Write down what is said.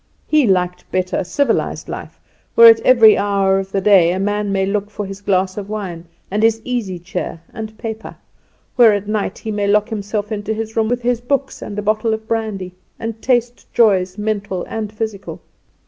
He liked better civilised life, where at every hour of the day a man may look for his glass of wine, and his easy chair, and paper; where at night he may lock himself into his room with his books and a bottle of brandy, and taste joys mental and physical.